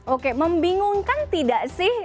oke membingungkan tidak sih